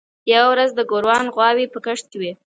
یوه ورځ د ګوروان غواوې په کښت کې وې.